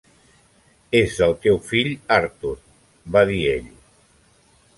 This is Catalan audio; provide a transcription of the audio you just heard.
"És del teu fill, Arthur", va dir ell.